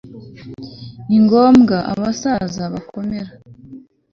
Ni ngombwa ko abasaza bakomera